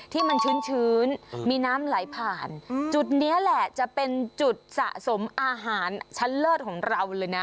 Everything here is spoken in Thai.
ที่มันชื้นชื้นมีน้ำไหลผ่านจุดนี้แหละจะเป็นจุดสะสมอาหารชั้นเลิศของเราเลยนะ